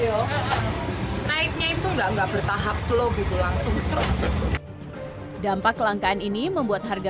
yuk naiknya itu enggak enggak bertahap slow gitu langsung slot dampak kelangkaan ini membuat harga